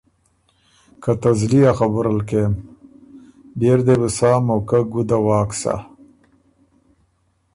که ته زلی ا خبُره ل کېم، بيې ر دی بو سا موقع ګُده واک سَۀ“